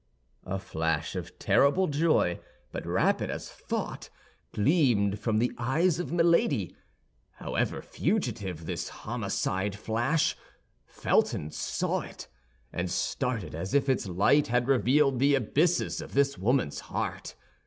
A flash of terrible joy, but rapid as thought, gleamed from the eyes of Milady. However fugitive this homicide flash, Felton saw it, and started as if its light had revealed the abysses of this woman's heart.